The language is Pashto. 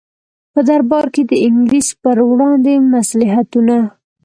په دربار کې د انګلیس پر وړاندې مصلحتونه.